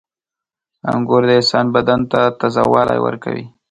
• انګور د انسان بدن ته تازهوالی ورکوي.